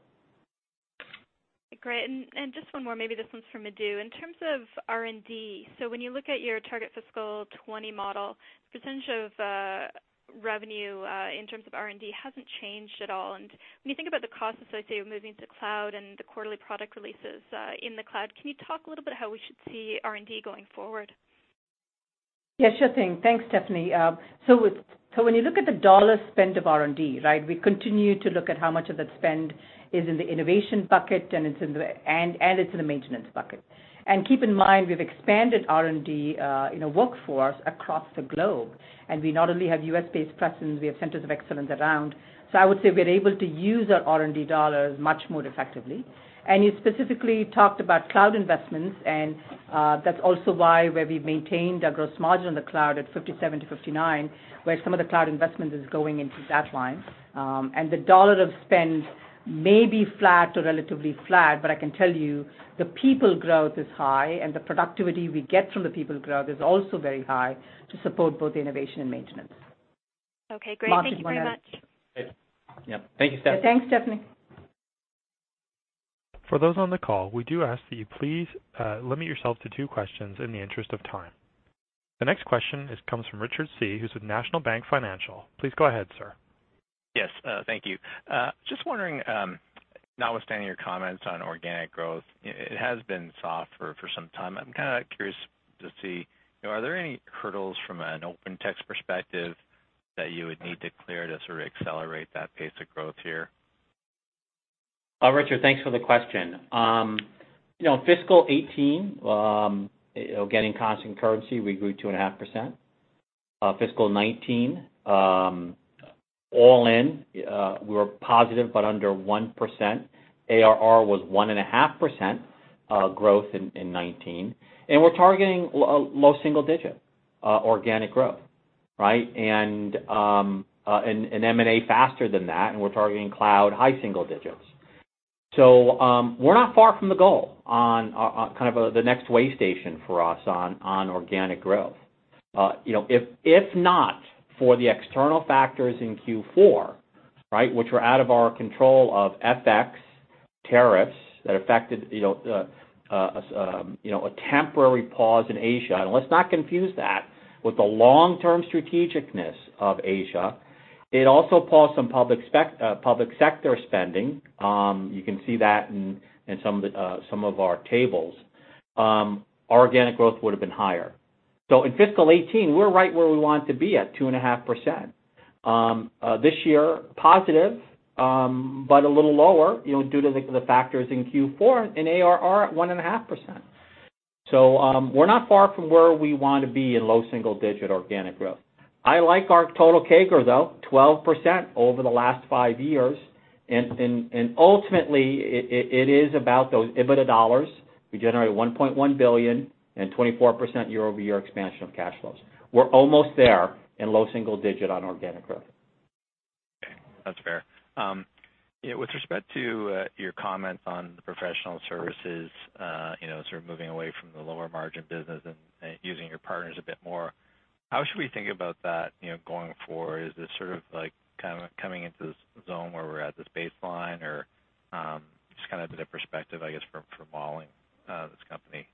Great. Just one more, maybe this one's for Madhu. In terms of R&D, so when you look at your target fiscal 2020 model, the percentage of revenue in terms of R&D hasn't changed at all. When you think about the costs associated with moving to cloud and the quarterly product releases in the cloud, can you talk a little bit how we should see R&D going forward? Yeah, sure thing. Thanks, Stephanie. When you look at the dollar spend of R&D, we continue to look at how much of that spend is in the innovation bucket, and it's in the maintenance bucket. Keep in mind, we've expanded R&D in a workforce across the globe. We not only have U.S.-based presence, we have centers of excellence around. I would say we're able to use our R&D dollars much more effectively. You specifically talked about cloud investments, and that's also why, where we've maintained our gross margin in the cloud at 57%-59%, where some of the cloud investment is going into that line. The U.S. dollar of spend may be flat or relatively flat, but I can tell you the people growth is high and the productivity we get from the people growth is also very high to support both innovation and maintenance. Okay, great. Thank you very much. Yeah. Thank you, Stephanie. Thanks, Stephanie. For those on the call, we do ask that you please limit yourselves to two questions in the interest of time. The next question comes from Richard Tse, who is with National Bank Financial. Please go ahead, sir. Yes. Thank you. Just wondering, notwithstanding your comments on organic growth, it has been soft for some time. I'm kind of curious to see, are there any hurdles from an OpenText perspective that you would need to clear to sort of accelerate that pace of growth here? Richard, thanks for the question. Fiscal 2018, again, in constant currency, we grew 2.5%. Fiscal 2019, all in, we were positive but under 1%. ARR was 1.5% growth in 2019. We're targeting low single-digit organic growth, right? M&A faster than that, and we're targeting cloud high single-digits. We're not far from the goal on kind of the next way station for us on organic growth. If not for the external factors in Q4, which were out of our control of FX tariffs that affected a temporary pause in Asia, and let's not confuse that with the long-term strategic-ness of Asia. It also paused some public sector spending. You can see that in some of our tables. Our organic growth would have been higher. In fiscal 2018, we're right where we want to be at 2.5%. This year, positive, a little lower due to the factors in Q4 and ARR at 1.5%. We're not far from where we want to be in low single digit organic growth. I like our total CAGR, though, 12% over the last five years, and ultimately it is about those EBITDA dollars. We generate $1.1 billion and 24% year-over-year expansion of cash flows. We're almost there in low single digit on organic growth. Okay. That's fair. With respect to your comment on the professional services sort of moving away from the lower margin business and using your partners a bit more, how should we think about that going forward? Is this sort of like kind of coming into this zone where we're at this baseline or just kind of the perspective, I guess, for modeling this company?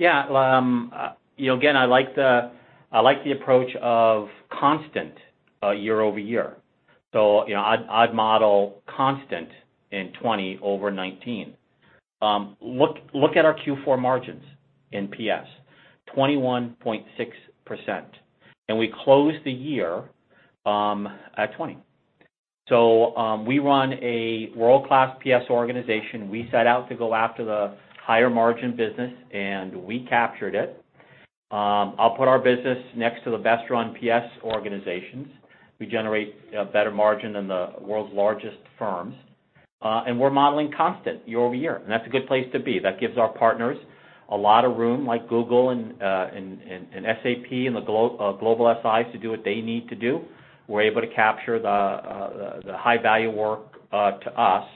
Yeah. Again, I like the approach of constant year-over-year. I'd model constant in 2020 over 2019. Look at our Q4 margins in PS, 21.6%. We closed the year at 20%. We run a world-class PS organization. We set out to go after the higher margin business. We captured it. I'll put our business next to the best run PS organizations. We generate a better margin than the world's largest firms. We're modeling constant year-over-year. That's a good place to be. That gives our partners a lot of room, like Google and SAP and the global SIs to do what they need to do. We're able to capture the high-value work to us.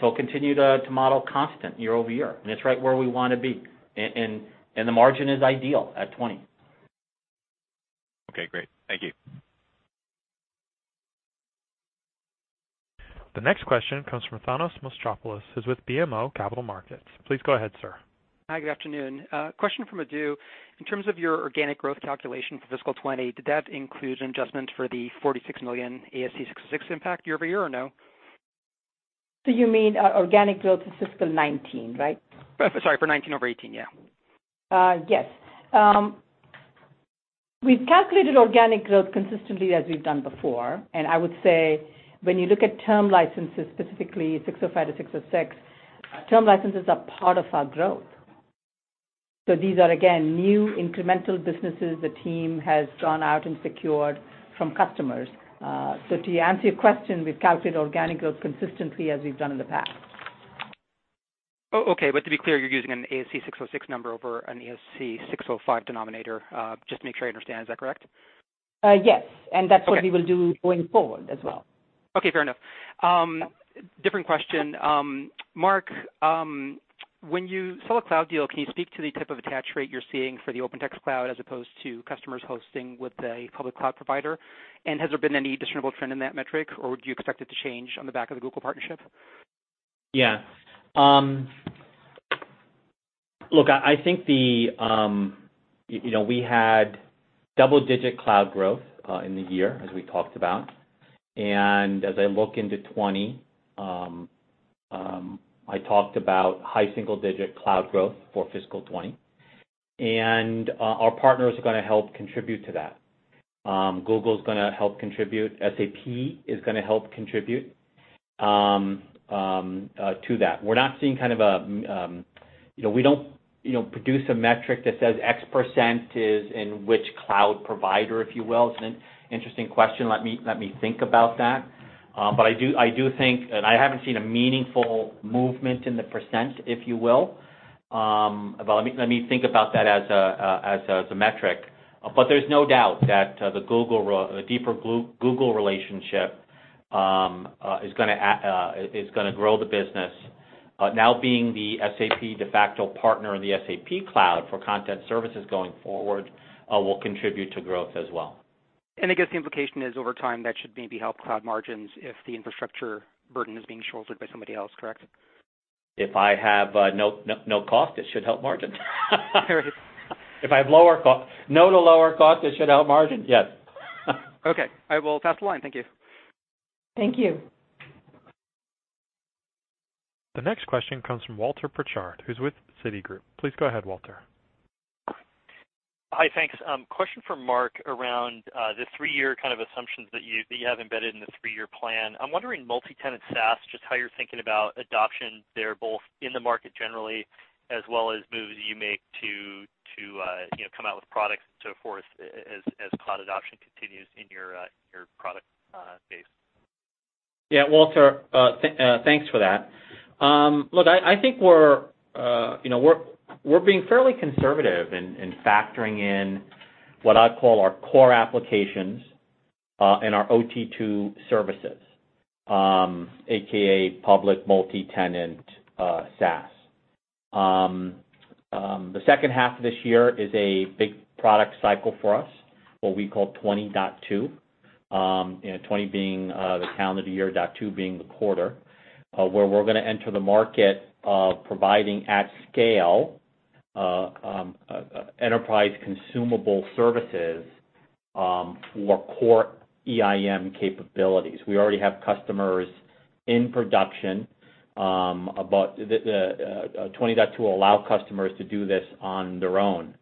Continue to model constant year-over-year. It's right where we want to be, and the margin is ideal at 20%. Okay, great. Thank you. The next question comes from Thanos Moschopoulos, who's with BMO Capital Markets. Please go ahead, sir. Hi, good afternoon. Question for Madhu. In terms of your organic growth calculation for fiscal 2020, did that include an adjustment for the $46 million ASC 606 impact year-over-year, or no? You mean organic growth for fiscal 2019, right? Sorry for 2019 over 2018, yeah. Yes. We've calculated organic growth consistently as we've done before, and I would say when you look at term licenses, specifically 605 to 606, term licenses are part of our growth. These are, again, new incremental businesses the team has drawn out and secured from customers. To answer your question, we've calculated organic growth consistently as we've done in the past. Oh, okay. To be clear, you're using an ASC 606 number over an ASC 605 denominator. Just to make sure I understand. Is that correct? Yes. Okay. That's what we will do going forward as well. Okay, fair enough. Different question. Mark, when you sell a cloud deal, can you speak to the type of attach rate you're seeing for the OpenText Cloud as opposed to customers hosting with a public cloud provider? Has there been any discernible trend in that metric, or do you expect it to change on the back of the Google partnership? Yeah. Look, I think we had double-digit cloud growth in the year, as we talked about. As I look into 2020, I talked about high single-digit cloud growth for fiscal 2020. Our partners are going to help contribute to that. Google's going to help contribute, SAP is going to help contribute to that. We don't produce a metric that says X% is in which cloud provider, if you will. It's an interesting question. Let me think about that. I do think, and I haven't seen a meaningful movement in the percent, if you will. Let me think about that as a metric. There's no doubt that the deeper Google relationship is going to grow the business. Now being the SAP de facto partner in the SAP cloud for content services going forward will contribute to growth as well. I guess the implication is over time, that should maybe help cloud margins if the infrastructure burden is being shouldered by somebody else, correct? If I have no cost, it should help margin. There it is. If I have no to lower cost, it should help margin, yes. Okay, I will pass the line. Thank you. Thank you. The next question comes from Walter Pritchard, who's with Citigroup. Please go ahead, Walter. Hi, thanks. Question for Mark around the three-year assumptions that you have embedded in the three-year plan. I'm wondering multi-tenant SaaS, just how you're thinking about adoption there, both in the market generally, as well as moves you make to come out with products to foster as cloud adoption continues in your product base. Yeah, Walter, thanks for that. I think we're being fairly conservative in factoring in what I'd call our core applications, and our OT2 services, AKA public multi-tenant SaaS. The second half of this year is a big product cycle for us, what we call 20.2, 20 being the calendar year, dot two being the quarter, where we're going to enter the market providing at scale enterprise consumable services for core EIM capabilities. We already have customers in production. 20.2 will allow customers to do this on their own.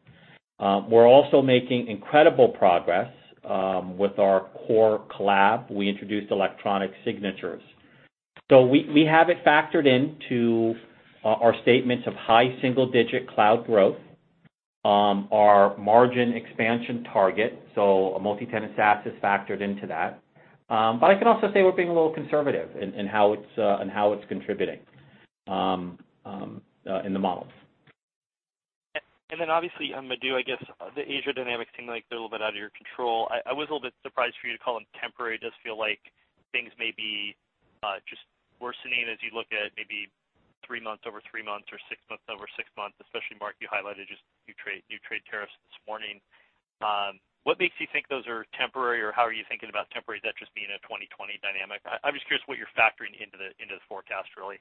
We're also making incredible progress with our core collab. We introduced electronic signatures. We have it factored into our statements of high single-digit cloud growth, our margin expansion target, so a multi-tenant SaaS is factored into that. I can also say we're being a little conservative in how it's contributing in the models. Then obviously, Madhu, I guess the Asia dynamics seem like they're a little bit out of your control. I was a little bit surprised for you to call them temporary. It does feel like things may be just worsening as you look at maybe three months over three months or six months over six months. Especially, Mark, you highlighted just new trade tariffs this morning. What makes you think those are temporary, or how are you thinking about temporary? Is that just being a 2020 dynamic? I'm just curious what you're factoring into the forecast, really.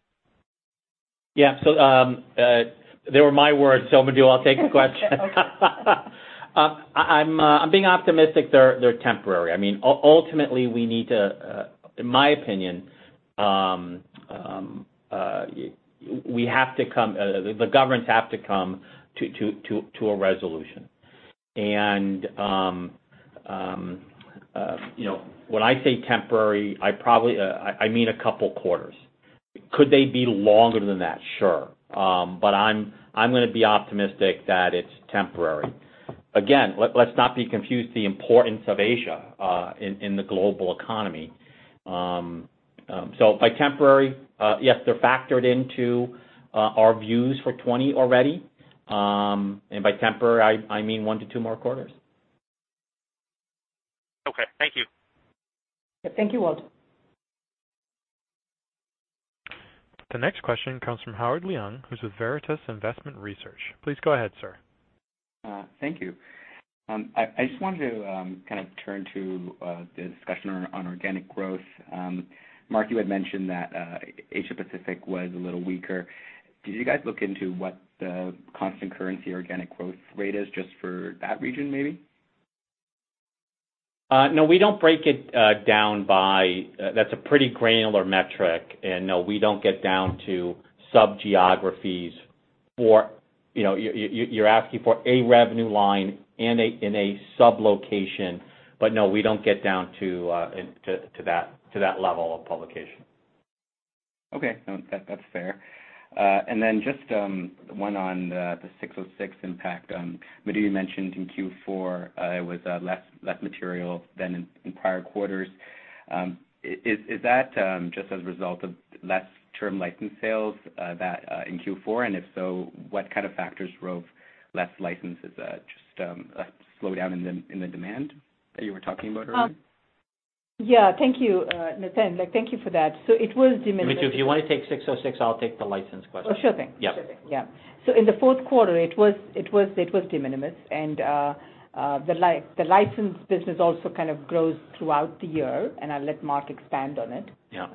Yeah. They were my words, so Madhu, I'll take the question. Okay. I'm being optimistic they're temporary. Ultimately, in my opinion, the governments have to come to a resolution. When I say temporary, I mean a couple of quarters. Could they be longer than that? Sure. I'm going to be optimistic that it's temporary. Again, let's not be confused the importance of Asia in the global economy. By temporary, yes, they're factored into our views for 2020 already. By temporary, I mean one to two more quarters. Okay. Thank you. Thank you, Walt. The next question comes from Howard Leung, who's with Veritas Investment Research. Please go ahead, sir. Thank you. I just wanted to kind of turn to the discussion on organic growth. Mark, you had mentioned that Asia Pacific was a little weaker. Did you guys look into what the constant currency organic growth rate is just for that region, maybe? No, we don't break it down. That's a pretty granular metric. No, we don't get down to sub-geographies. You're asking for a revenue line in a sublocation, but no, we don't get down to that level of publication. Okay. No, that's fair. Then just one on the 606 impact. Madhu, you mentioned in Q4 it was less material than in prior quarters. Is that just as a result of less term license sales in Q4? If so, what kind of factors drove less licenses? Just a slowdown in the demand that you were talking about earlier? Yeah, thank you, Niten. Thank you for that. It was de minimis. Madhu, if you want to take 606, I'll take the license question. Sure thing. Yeah. Sure thing. Yeah. In the fourth quarter, it was de minimis. The license business also kind of grows throughout the year, and I'll let Mark expand on it. Yeah.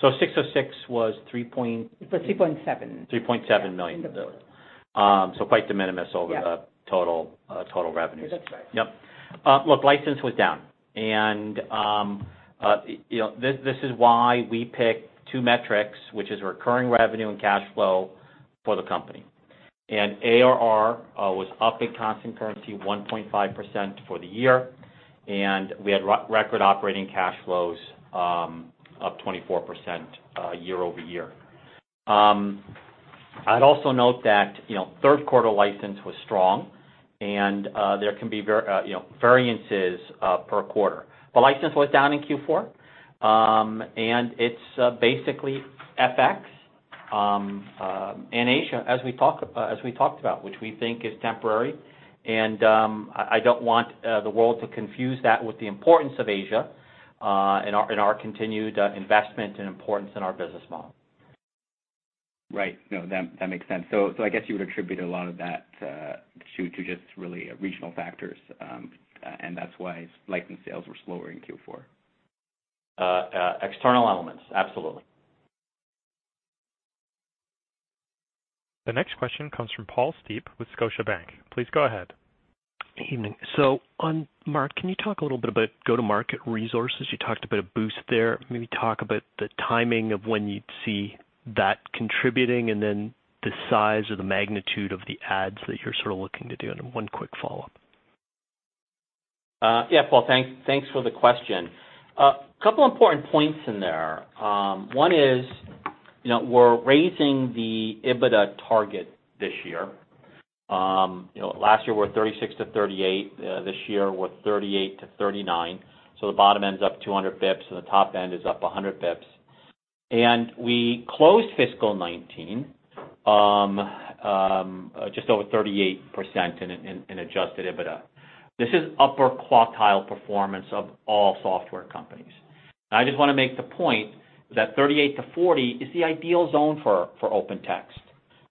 606 was three point- It was 3.7. $3.7 million. Yeah. quite de minimis. Yeah the total revenues. That's right. Yep. Look, license was down. This is why we pick two metrics, which is recurring revenue and cash flow for the company. ARR was up at constant currency 1.5% for the year, and we had record operating cash flows up 24% year-over-year. I'd also note that third quarter license was strong, and there can be variances per quarter. The license was down in Q4, and it's basically FX in Asia, as we talked about, which we think is temporary, and I don't want the world to confuse that with the importance of Asia in our continued investment and importance in our business model. Right. No, that makes sense. I guess you would attribute a lot of that to just really regional factors, and that's why license sales were slower in Q4. External elements, absolutely. The next question comes from Paul Steep with Scotiabank. Please go ahead. Evening. On, Mark, can you talk a little bit about go-to-market resources? You talked about a boost there. Maybe talk about the timing of when you'd see that contributing and then the size or the magnitude of the ads that you're sort of looking to do. One quick follow-up. Yeah, Paul, thanks for the question. Couple important points in there. One is we're raising the EBITDA target this year. Last year we were 36%-38%. This year we're 38%-39%. The bottom end's up 200 basis points, the top end is up 100 basis points. We closed fiscal 2019 just over 38% in adjusted EBITDA. This is upper quartile performance of all software companies. I just want to make the point that 38%-40% is the ideal zone for OpenText.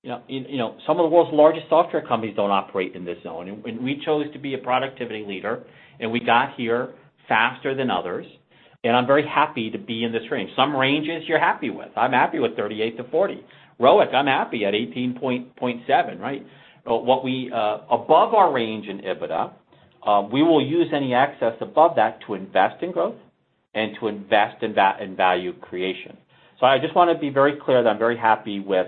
Some of the world's largest software companies don't operate in this zone, we chose to be a productivity leader, we got here faster than others, I'm very happy to be in this range. Some ranges you're happy with. I'm happy with 38%-40%. ROIC, I'm happy at 18.7%, right? Above our range in EBITDA, we will use any access above that to invest in growth and to invest in value creation. I just want to be very clear that I'm very happy with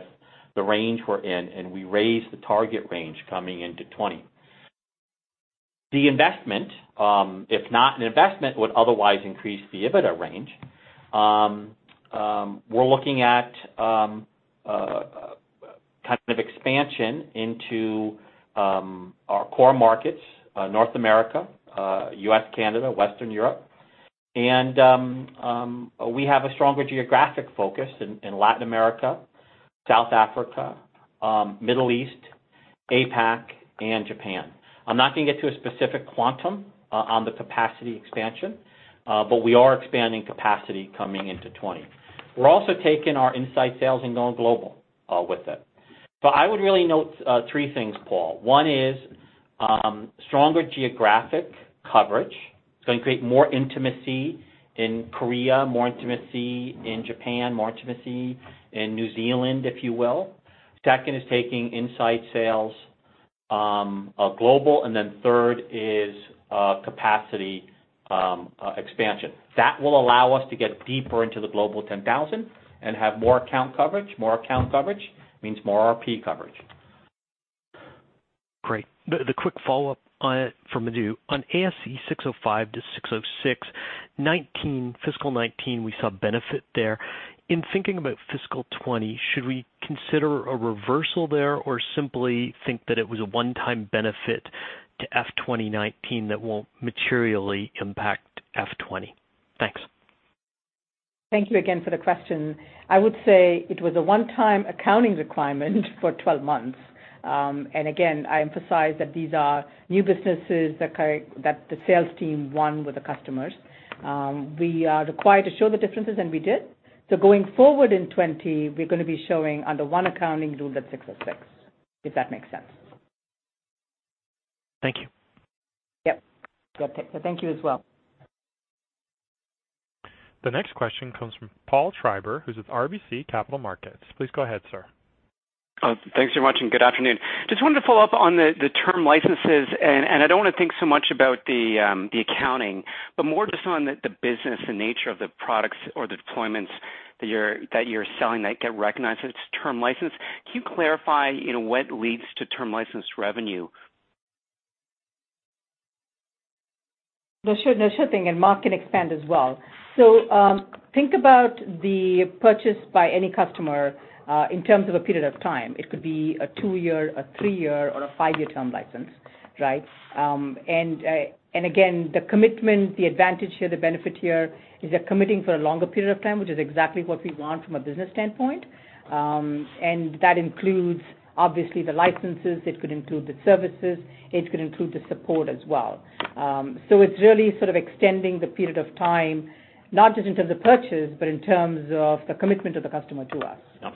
the range we're in, and we raised the target range coming into 2020. The investment, if not an investment, would otherwise increase the EBITDA range. We're looking at kind of expansion into our core markets, North America, U.S., Canada, Western Europe, and we have a stronger geographic focus in Latin America, South Africa, Middle East, APAC, and Japan. I'm not going to get to a specific quantum on the capacity expansion, but we are expanding capacity coming into 2020. We're also taking our inside sales and going global with it. I would really note three things, Paul. One is stronger geographic coverage. It's going to create more intimacy in Korea, more intimacy in Japan, more intimacy in New Zealand, if you will. Second is taking inside sales global. Third is capacity expansion. That will allow us to get deeper into the Global 10,000 and have more account coverage. More account coverage means more RP coverage. Great. The quick follow-up from Madhu. On ASC 605 to 606, fiscal 2019, we saw benefit there. In thinking about fiscal 2020, should we consider a reversal there or simply think that it was a one-time benefit to FY 2019 that won't materially impact FY 2020? Thanks. Thank you again for the question. I would say it was a one-time accounting requirement for 12 months. Again, I emphasize that these are new businesses that the sales team won with the customers. We are required to show the differences, and we did. Going forward in 2020, we're going to be showing under one accounting rule, that ASC 606, if that makes sense. Thank you. Yep. Thank you as well. The next question comes from Paul Treiber, who's with RBC Capital Markets. Please go ahead, sir. Thanks very much. Good afternoon. Just wanted to follow up on the term licenses, and I don't want to think so much about the accounting, but more just on the business and nature of the products or the deployments that you're selling that get recognized as term license. Can you clarify what leads to term license revenue? Sure thing, Mark can expand as well. Think about the purchase by any customer in terms of a period of time. It could be a two-year, a three-year, or a five-year term license, right? Again, the commitment, the advantage here, the benefit here is they're committing for a longer period of time, which is exactly what we want from a business standpoint. That includes, obviously, the licenses. It could include the services. It could include the support as well. It's really sort of extending the period of time, not just in terms of purchase, but in terms of the commitment of the customer to us.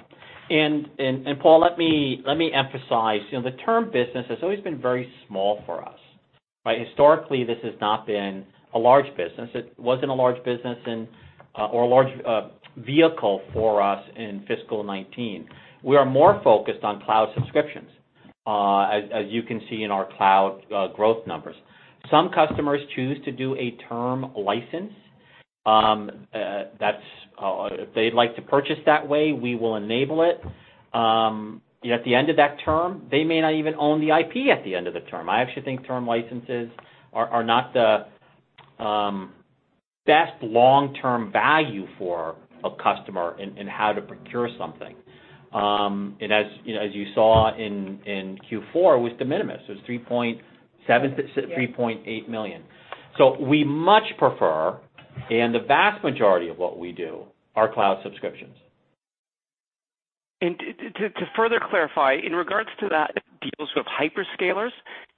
Paul, let me emphasize, the term business has always been very small for us, right? Historically, this has not been a large business. It wasn't a large business or a large vehicle for us in fiscal 2019. We are more focused on cloud subscriptions, as you can see in our cloud growth numbers. Some customers choose to do a term license. If they'd like to purchase that way, we will enable it. At the end of that term, they may not even own the IP at the end of the term. I actually think term licenses are not the best long-term value for a customer in how to procure something. As you saw in Q4, it was de minimis. Yeah $3.8 million. We much prefer, and the vast majority of what we do are cloud subscriptions. To further clarify, in regards to that deals with hyperscalers,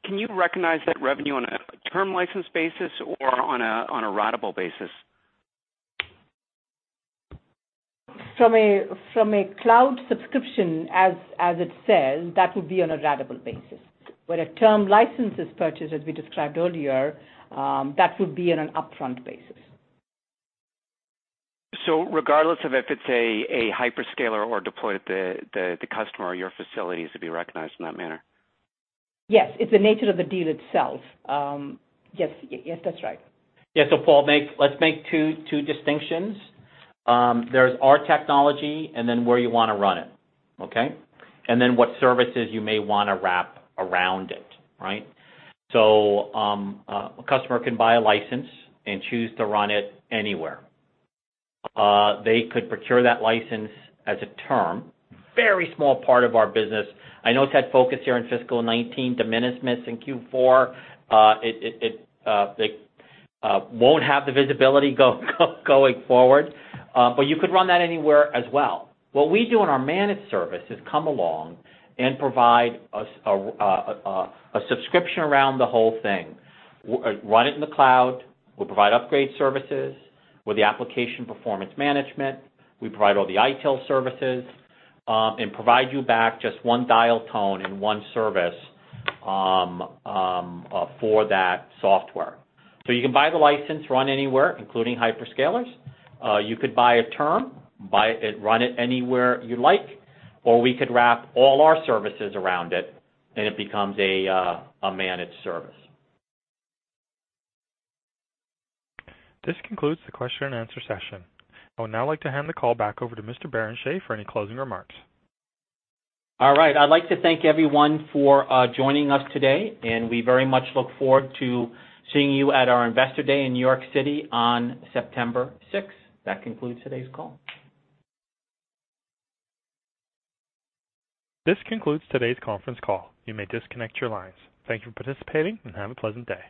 can you recognize that revenue on a term license basis or on a ratable basis? From a cloud subscription, as it says, that would be on a ratable basis. Where a term license is purchased, as we described earlier, that would be on an upfront basis. Regardless of if it's a hyperscaler or deployed at the customer or your facilities, it would be recognized in that manner? Yes. It's the nature of the deal itself. Yes, that's right. Yeah. Paul, let's make two distinctions. There's our technology and where you want to run it, okay? What services you may want to wrap around it, right? A customer can buy a license and choose to run it anywhere. They could procure that license as a term. Very small part of our business. I know it's had focus here in fiscal 2019, de minimis in Q4. It won't have the visibility going forward. You could run that anywhere as well. What we do on our managed service is come along and provide a subscription around the whole thing. Run it in the cloud. We'll provide upgrade services with the application performance management. We provide all the ITIL services, and provide you back just one dial tone and one service for that software. You can buy the license, run anywhere, including hyperscalers. You could buy a term, buy it, run it anywhere you like, or we could wrap all our services around it, and it becomes a managed service. This concludes the question and answer session. I would now like to hand the call back over to Mr. Barrenechea for any closing remarks. All right. I'd like to thank everyone for joining us today, and we very much look forward to seeing you at our Investor Day in New York City on September sixth. That concludes today's call. This concludes today's conference call. You may disconnect your lines. Thank you for participating and have a pleasant day.